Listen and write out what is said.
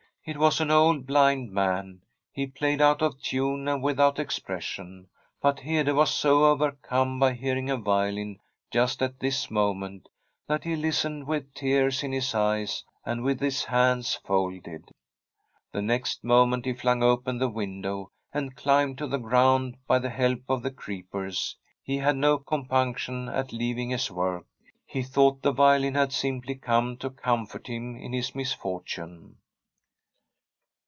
It was an old blind man. He played out of tune and without expression, but Hede was so over come by hearing a violin just at this moment that he listened with tears in his eyes and with his hands folded. I 10] Tbi STORY of a COUNTRY HOUSE The next moment he flung open the window and climbed to the ground by the help of the creepers. He had no compunction at leaving his work. He thought the violin had simply come to comfort him in his misfortune.